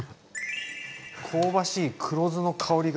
香ばしい黒酢の香りが。